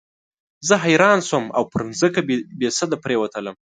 زه حیران شوم او پر مځکه بېسده پرېوتلم.